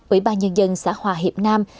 ủy ban nhân dân xã hòa hiệp nam